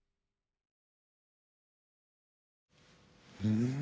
うん。